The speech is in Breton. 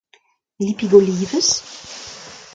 Lipig olivez ?